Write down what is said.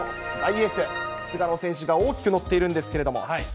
大エース、菅野選手が大きく載っているんですけれども。